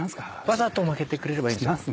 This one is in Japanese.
わざと負けてくれればいいんです。